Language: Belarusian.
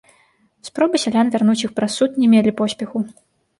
Спробы сялян вярнуць іх праз суд не мелі поспеху.